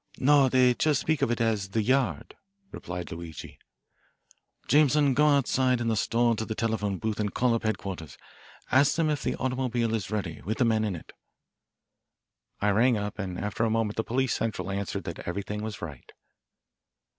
"No; they just speak of it as the 'yard,'" replied Luigi. "Jameson, go outside in the store to the telephone booth and call up headquarters. Ask them if the automobile is ready, with the men in it." I rang up, and after a moment the police central answered that everything was right.